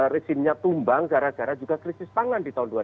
resimnya tumbang gara gara juga krisis pangan di tahun dua ribu